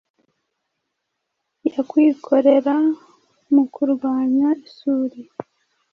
yakwikorera mu kurwanya isuri?